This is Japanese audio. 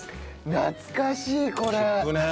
懐かしいこれ！